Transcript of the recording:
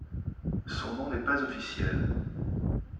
Son nom n’est pas officiel.